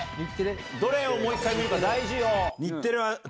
どれをもう一回見るか大事よ。